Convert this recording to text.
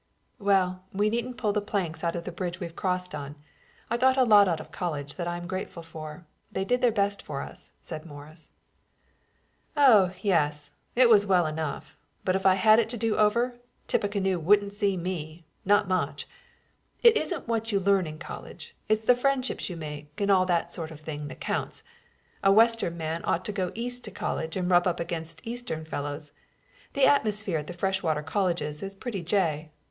"Well, we needn't pull the planks out of the bridge we've crossed on. I got a lot out of college that I'm grateful for. They did their best for us," said Morris. "Oh, yes; it was well enough, but if I had it to do over, Tippecanoe wouldn't see me; not much! It isn't what you learn in college, it's the friendships you make and all that sort of thing that counts. A western man ought to go east to college and rub up against eastern fellows. The atmosphere at the freshwater colleges is pretty jay.